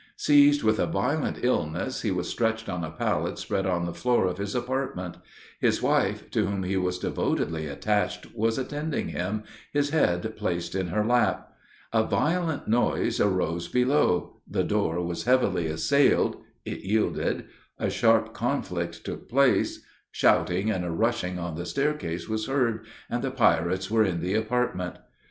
Seized with a violent illness, he was stretched on a pallet spread on a floor of his apartment; his wife, to whom he was devotedly attached, was attending him, his head placed in her lap. A violent noise arose below the door was heavily assailed it yielded a sharp conflict took place shouting and a rushing on the stair case was heard, and the pirates were in the apartment.